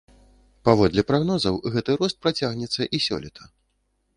Паводле прагнозаў, гэты рост працягнецца і сёлета.